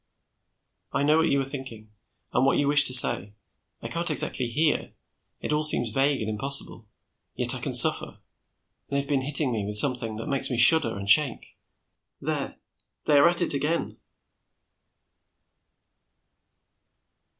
"I know what you are thinking, and what you wish to say. I can't exactly hear; it all seems vague, and impossible. Yet I can suffer. They have been hitting me with something which makes me shudder and shake there, they are at it again."